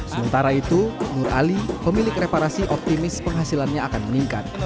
sementara itu nur ali pemilik reparasi optimis penghasilannya akan meningkat